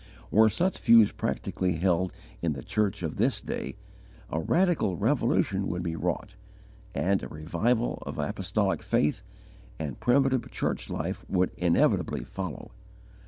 Were such views practically held in the church of this day, a radical revolution would be wrought and a revival of apostolic faith and primitive church life would inevitably follow.